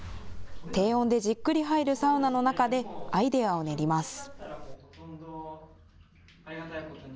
低温でじっくり入るサウナの中でアイデアを練ります。